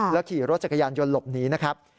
ขี่รถจักรยานยนต์หลบหนีนะครับ